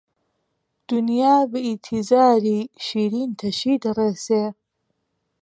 دونیا بە ئیتیزاری، شیرین تەشی دەڕێسێ